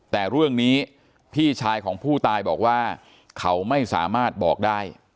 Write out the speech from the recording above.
แต่เรื่องนี้พี่ชายของผู้ตายบอกว่าเขาไม่สามารถบอกได้